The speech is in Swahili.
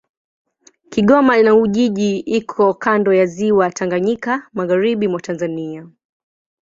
Kigoma na Ujiji iko kando ya Ziwa Tanganyika, magharibi mwa Tanzania.